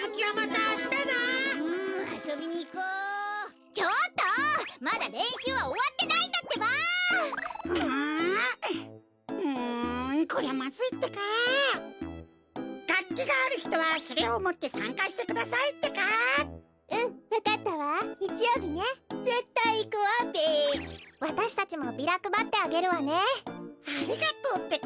ありがとうってか。